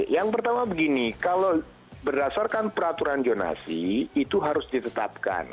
yang pertama begini kalau berdasarkan peraturan zonasi itu harus ditetapkan